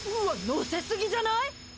のせすぎじゃない？